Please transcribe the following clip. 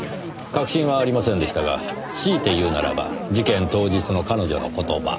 確信はありませんでしたが強いて言うならば事件当日の彼女の言葉。